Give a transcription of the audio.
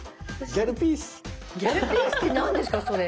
「ギャルピースって何ですかそれ？」。